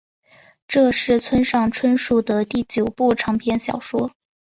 这是村上春树的第九部长篇小说。